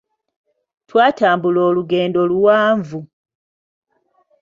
Twatambula olugendo luwanvu.